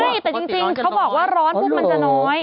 ใช่แต่จริงเขาบอกว่าร้อนปุ๊บมันจะน้อย